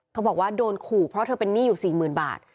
บอกว่าโดนขู่เพราะเธอเป็นหนี้อยู่๔๐๐๐บาท